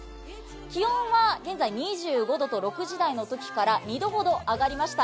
気温は現在、２５度と６時台から２度ほど上がりました。